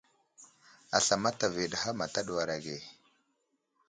Asla mataviyo ɗi ham ata ɗuwar age.